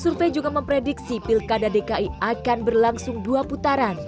survei juga memprediksi pilkada dki akan berlangsung dua putaran